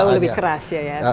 karena jauh lebih keras ya ya